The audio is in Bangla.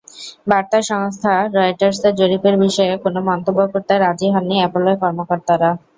বার্তা সংস্থা রয়টার্সের জরিপের বিষয়েও কোনো মন্তব্য করতে রাজি হননি অ্যাপলের কর্মকর্তারা।